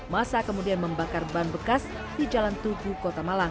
masa kemudian membakar ban bekas di jalan tugu kota malang